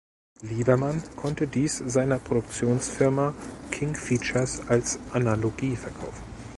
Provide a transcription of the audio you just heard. Lieberman konnte dies seiner Produktionsfirma King Features als Analogie verkaufen.